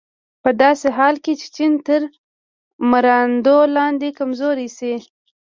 په داسې حال کې چې چین تر مراندو لاندې کمزوری شو.